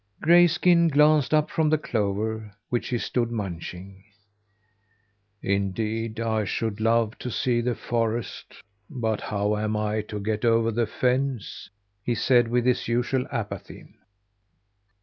Grayskin glanced up from the clover which he stood munching. "Indeed, I should love to see the forest, but how am I to get over the fence?" he said with his usual apathy.